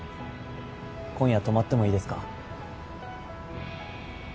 今夜泊まってもいいですか？